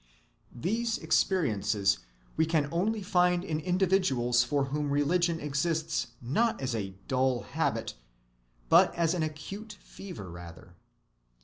These experiences we can only find in individuals for whom religion exists not as a dull habit, but as an acute fever rather.